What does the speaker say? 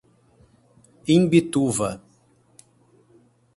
Imbituva